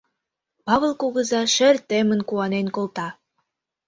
Павыл кугыза шер темын куанен колта: